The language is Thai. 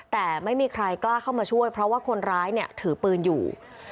แต่ไม่มีใครกล้าเข้ามาช่วยเพราะว่าคนร้ายเนี่ยถือปืนอยู่